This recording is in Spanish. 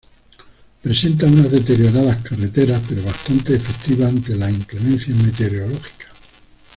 Presenta unas deterioradas carreteras pero bastante efectivas ante las inclemencias meteorológicas.